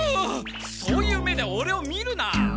そういう目でオレを見るな！